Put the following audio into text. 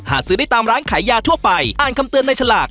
ซื้อได้ตามร้านขายยาทั่วไปอ่านคำเตือนในฉลาก